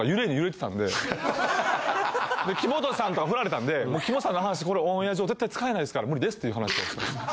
で木本さんとか振られたんで木本さんの話これオンエア上絶対使えないですから無理ですっていう話をしました。